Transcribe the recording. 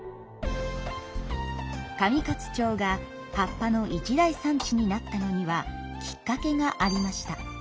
上勝町が葉っぱの一大産地になったのにはきっかけがありました。